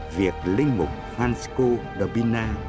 việc linh mục francisco de pina